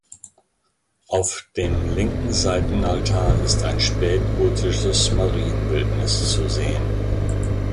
Auf dem linken Seitenaltar ist ein spätgotisches Marienbildnis zu sehen.